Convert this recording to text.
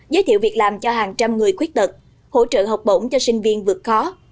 giới thiệu việc làm cho hàng trăm người khuyết tật hỗ trợ học bổng cho sinh viên vượt khó